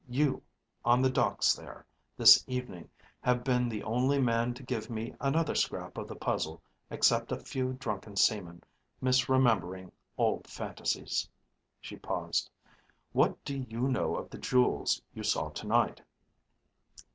You, on the docks there, this evening, have been the only man to give me another scrap of the puzzle except a few drunken seamen, misremembering old fantasies." She paused. "What do you know of the jewels you saw tonight?"